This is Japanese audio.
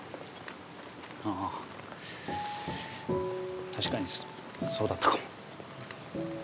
あ確かにそうだったかも。